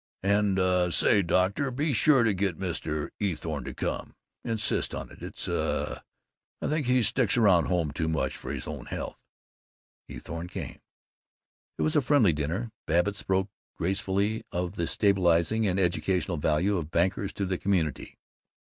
"And, uh, say, doctor, be sure and get Mr. Eathorne to come. Insist on it. It's, uh I think he sticks around home too much for his own health." Eathorne came. It was a friendly dinner. Babbitt spoke gracefully of the stabilizing and educational value of bankers to the community.